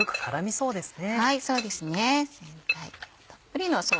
そうですね